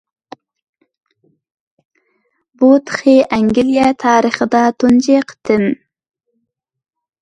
بۇ تېخى ئەنگلىيە تارىخىدا تۇنجى قېتىم.